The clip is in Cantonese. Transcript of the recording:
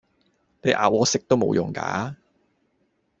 你咬我食都無用架